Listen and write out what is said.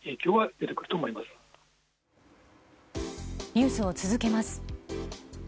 ニュースを続けます。